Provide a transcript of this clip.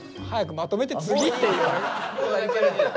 「早くまとめて次」って。